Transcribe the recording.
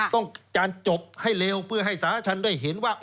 ต้องจันทร์จบให้เร็วเพื่อให้สาธารณะชั้นได้เห็นว่า